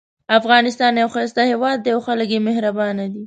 افغانستان یو ښایسته هیواد ده او خلک یې مهربانه دي